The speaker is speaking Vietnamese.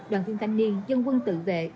đoàn viên thanh niên dân quân tự vệ